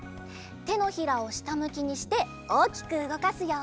てのひらをしたむきにしておおきくうごかすよ。